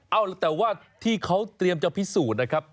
เอาล่ะแต่ว่าที่เขาเตรียมจะพิสูจน์นะครับ